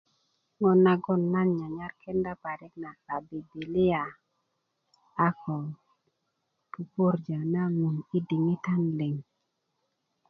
ŋo' nagon na nyanyar kenda parik na a bibilia a ko pupurja na ŋun i diŋitan liŋ